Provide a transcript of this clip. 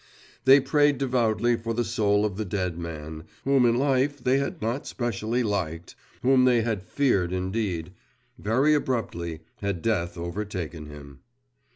They prayed devoutly for the soul of the dead man, whom in life they had not specially liked, whom they had feared indeed. Very abruptly had death overtaken him.